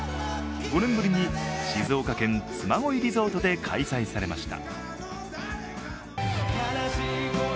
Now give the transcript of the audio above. ５年ぶりに静岡県つま恋リゾートで開催されました。